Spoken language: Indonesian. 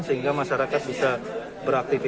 sehingga masyarakat bisa beraktifitas